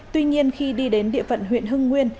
tuy nhiên khi đi đến địa phận huyện hưng nguyên